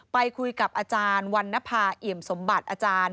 ไปคุยกับอาจารย์วันนภาเอี่ยมสมบัติอาจารย์